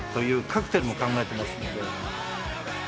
カクテルも考えてますので。